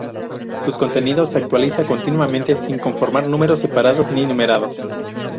Sus contenidos se actualiza continuamente, sin conformar números separados ni numerados.